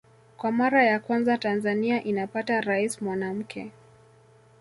Kwa mara ya kwanza Tanzania inapata Rais mwanamke